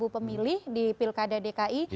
pemilih di pilkada dki